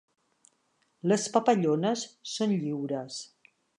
Les papallones són lliures.